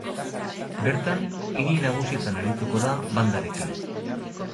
Bertan, hiri nagusietan arituko da bandarekin.